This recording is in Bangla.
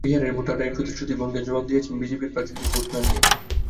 বিহারের ভোটাররা এই প্রতিশ্রুতি ভঙ্গের জবাব দিয়েছেন বিজেপির প্রার্থীদের ভোট না দিয়ে।